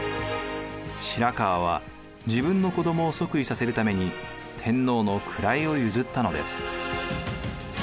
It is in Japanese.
白河は自分の子どもを即位させるために天皇の位を譲ったのです。